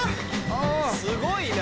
すごいな！